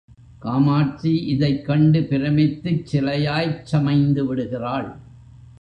காமாட்சி இதைக் கண்டு பிரமித்துச் சிலையாய்ச் சமைந்து விடுகிறாள்.